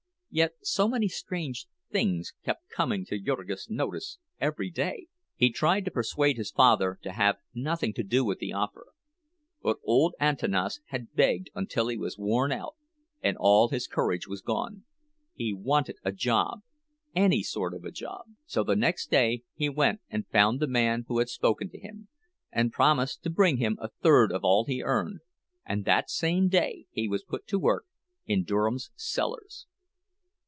And yet so many strange things kept coming to Jurgis' notice every day! He tried to persuade his father to have nothing to do with the offer. But old Antanas had begged until he was worn out, and all his courage was gone; he wanted a job, any sort of a job. So the next day he went and found the man who had spoken to him, and promised to bring him a third of all he earned; and that same day he was put to work in Durham's cellars.